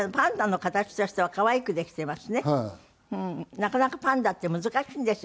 なかなかパンダって難しいんですよ